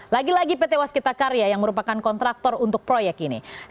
lagi lagi pt waskita karya yang merupakan kontraktor untuk proyek ini